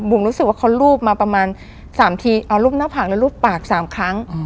รู้สึกว่าเขารูปมาประมาณ๓ทีเอารูปหน้าผากและรูปปาก๓ครั้ง